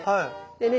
でね